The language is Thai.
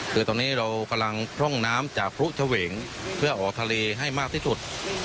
คือตอนนี้เรากำลังพร่องน้ำจากพลุเฉวงเพื่อออกทะเลให้มากที่สุด